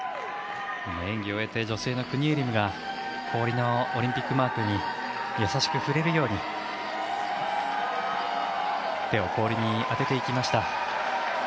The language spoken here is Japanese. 演技を終えて女性のクニエリムが氷のオリンピックマークに優しく触れるように手を氷に当てていきました。